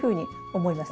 思います